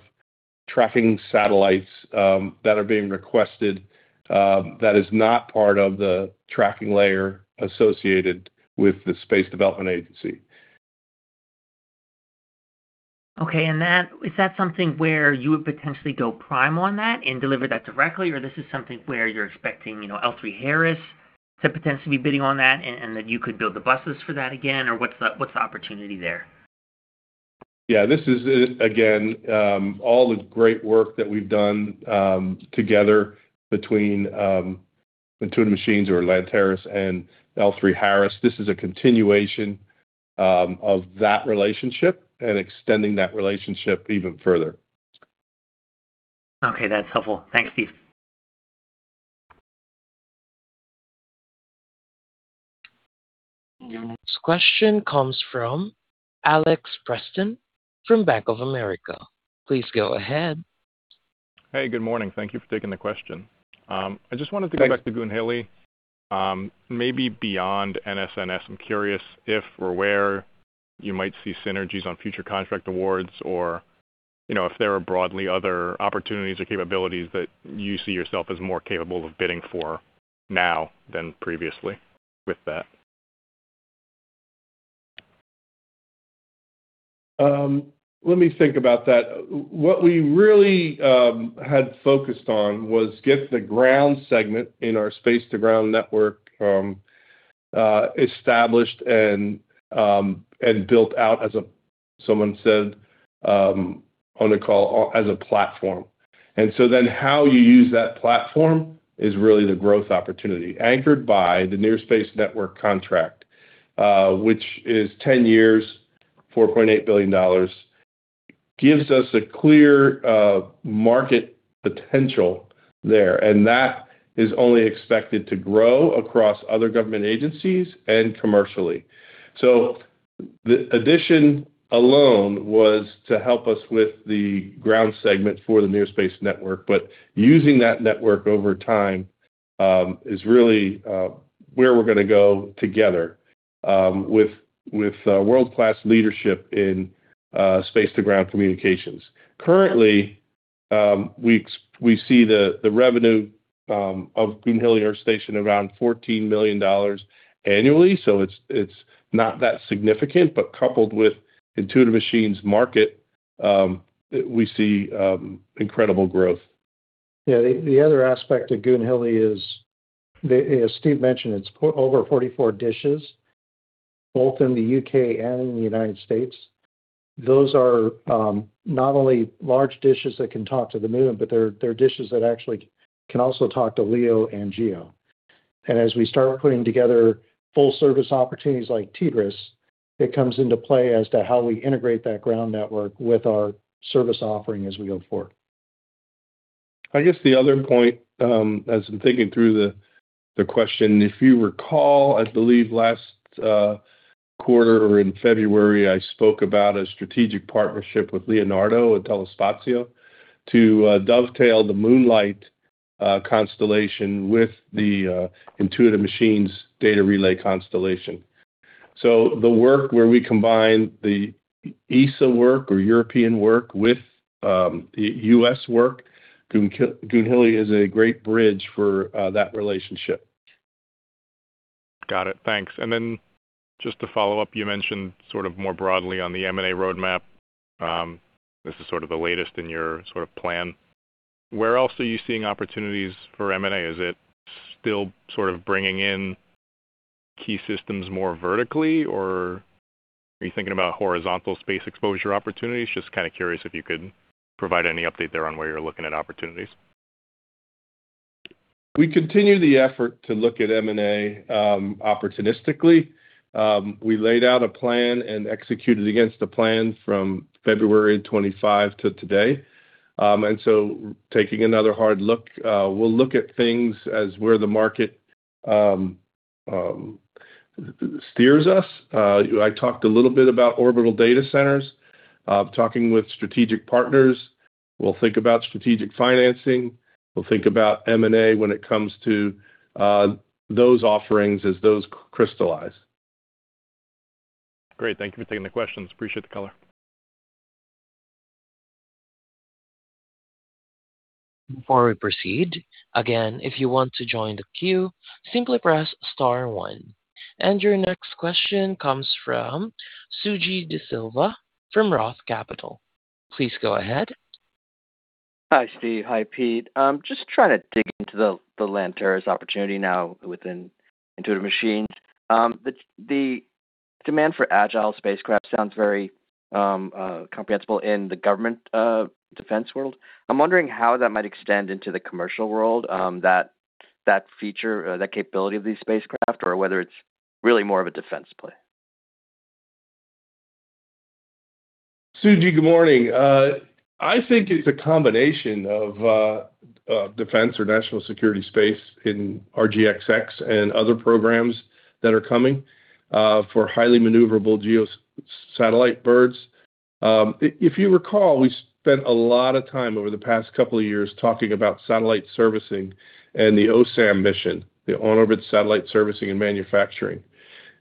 tracking satellites that are being requested that is not part of the tracking layer associated with the Space Development Agency. Okay. Is that something where you would potentially go prime on that and deliver that directly, or this is something where you're expecting, you know, L3Harris to potentially be bidding on that and then you could build the buses for that again? What's the opportunity there? Yeah, this is again, all the great work that we've done, together between, Intuitive Machines or Lanteris and L3Harris. This is a continuation of that relationship and extending that relationship even further. Okay. That's helpful. Thanks, Steve. Your next question comes from Alex Preston from Bank of America. Please go ahead. Hey, good morning. Thank you for taking the question. I just wanted to go back to Goonhilly. Maybe beyond NSNS, I'm curious if or where you might see synergies on future contract awards or, you know, if there are broadly other opportunities or capabilities that you see yourself as more capable of bidding for now than previously with that. Let me think about that. What we really had focused on was get the ground segment in our space-to-ground network established and built out, as someone said on the call, as a platform. How you use that platform is really the growth opportunity anchored by the Near Space Network Services contract, which is 10 years, $4.8 billion, gives us a clear market potential there, and that is only expected to grow across other government agencies and commercially. The addition alone was to help us with the ground segment for the Near Space Network Services. Using that network over time is really where we're gonna go together with world-class leadership in space-to-ground communications. Currently, we see the revenue of Goonhilly Earth Station around $14 million annually. It's not that significant, but coupled with Intuitive Machines market, we see incredible growth. Yeah. The other aspect of Goonhilly is, as Steve mentioned, it's put over 44 dishes, both in the U.K. and in the U.S. Those are not only large dishes that can talk to the moon, but they're dishes that actually can also talk to LEO and GEO. As we start putting together full service opportunities like TDRSS, it comes into play as to how we integrate that ground network with our service offering as we go forward. I guess the other point, as I'm thinking through the question, if you recall, I believe last quarter or in February, I spoke about a strategic partnership with Leonardo and Telespazio to dovetail the Moonlight constellation with the Intuitive Machines data relay constellation. The work where we combine the ESA work or European work with U.S. work, Goonhilly is a great bridge for that relationship. Got it. Thanks. Just to follow up, you mentioned sort of more broadly on the M&A roadmap, this is sort of the latest in your sort of plan. Where else are you seeing opportunities for M&A? Is it still sort of bringing in key systems more vertically, or are you thinking about horizontal space exposure opportunities? Just kind of curious if you could provide any update there on where you're looking at opportunities? We continue the effort to look at M&A opportunistically. We laid out a plan and executed against the plan from February 25 till today. Taking another hard look. We'll look at things as where the market steers us. I talked a little bit about orbital data centers, talking with strategic partners. We'll think about strategic financing. We'll think about M&A when it comes to those offerings as those crystallize. Great. Thank you for taking the questions. Appreciate the color. Before we proceed, again, if you want to join the queue, simply press star one. Your next question comes from Suji Desilva from ROTH Capital. Please go ahead. Hi, Steve. Hi, Pete. Just trying to dig into the Lanteris' opportunity now within Intuitive Machines. The demand for agile spacecraft sounds very comprehensible in the government defense world. I'm wondering how that might extend into the commercial world, that feature, that capability of these spacecraft, or whether it's really more of a defense play. Suji, good morning. I think it's a combination of defense or national security space in RG-XX and other programs that are coming for highly maneuverable GEO satellite birds. If you recall, we spent a lot of time over the past couple of years talking about satellite servicing and the OSAM mission, the on-orbit satellite servicing and manufacturing.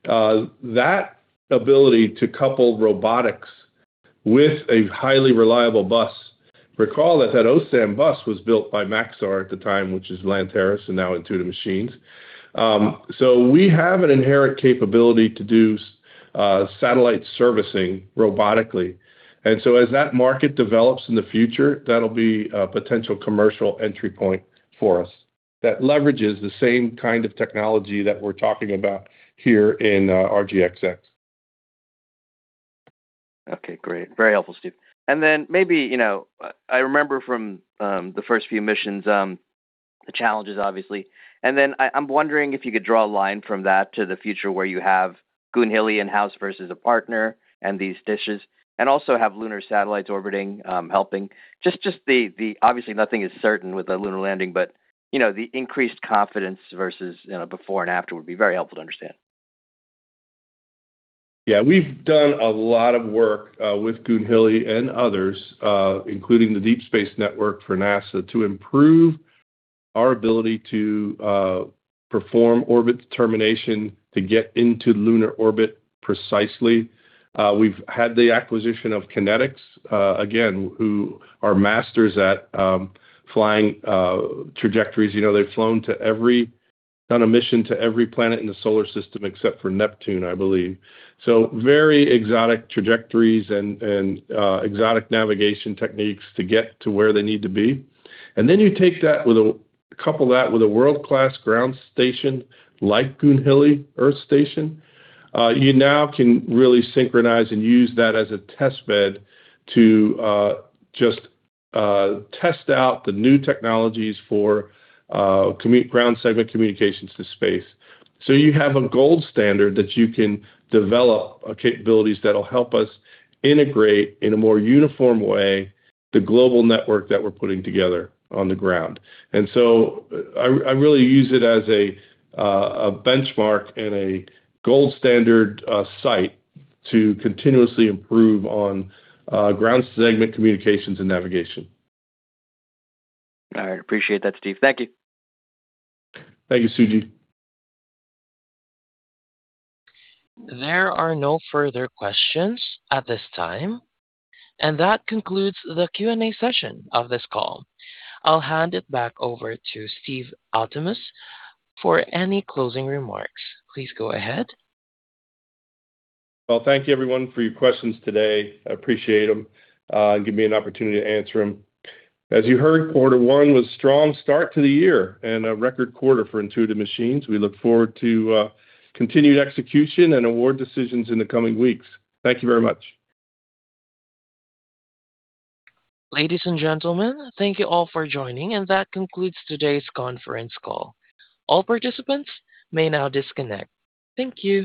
That ability to couple robotics with a highly reliable bus. Recall that that OSAM bus was built by Maxar at the time, which is Lanteris and now Intuitive Machines. We have an inherent capability to do satellite servicing robotically. As that market develops in the future, that'll be a potential commercial entry point for us that leverages the same kind of technology that we're talking about here in RG-XX. Okay. Great. Very helpful, Steve. Then maybe, you know, I remember from the first few missions, the challenges, obviously. Then I am wondering if you could draw a line from that to the future where you have Goonhilly in-house versus a partner and these dishes, and also have lunar satellites orbiting, helping. Just obviously, nothing is certain with the lunar landing, but, you know, the increased confidence versus, you know, before and after would be very helpful to understand. We've done a lot of work with Goonhilly and others, including the Deep Space Network for NASA, to improve our ability to perform orbit determination to get into lunar orbit precisely. We've had the acquisition of KinetX, again, who are masters at flying trajectories. You know, they've done a mission to every planet in the solar system except for Neptune, I believe. Very exotic trajectories and exotic navigation techniques to get to where they need to be. You couple that with a world-class ground station like Goonhilly Earth Station, you now can really synchronize and use that as a test bed to just test out the new technologies for ground segment communications to space. You have a gold standard that you can develop capabilities that'll help us integrate in a more uniform way the global network that we're putting together on the ground. I really use it as a benchmark and a gold standard site to continuously improve on ground segment communications and navigation. All right. Appreciate that, Steve. Thank you. Thank you, Suji. There are no further questions at this time. That concludes the Q&A session of this call. I'll hand it back over to Steve Altemus for any closing remarks. Please go ahead. Well, thank you everyone for your questions today. I appreciate them and give me an opportunity to answer them. As you heard, quarter one was strong start to the year and a record quarter for Intuitive Machines. We look forward to continued execution and award decisions in the coming weeks. Thank you very much. Ladies and gentlemen, thank you all for joining, and that concludes today's conference call. All participants may now disconnect. Thank you.